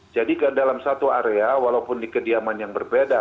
ke dalam satu area walaupun di kediaman yang berbeda